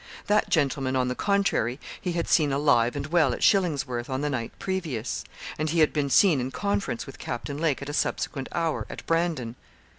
That gentleman, on the contrary, he had seen alive and well at Shillingsworth on the night previous; and he had been seen in conference with Captain Lake at a subsequent hour, at Brandon.